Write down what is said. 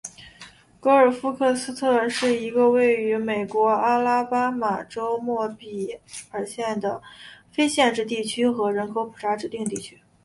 格尔夫克斯特是一个位于美国阿拉巴马州莫比尔县的非建制地区和人口普查指定地区。